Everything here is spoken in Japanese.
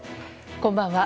こんばんは。